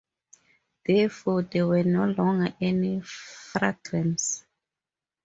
Therefore, there were no longer any fragments.